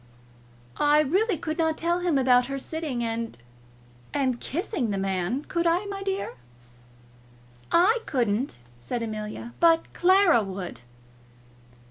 "I really could not tell him about her sitting and and kissing the man. Could I, my dear?" "I couldn't," said Amelia; "but Clara would."